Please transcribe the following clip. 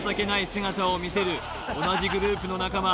姿を見せる同じグループの仲間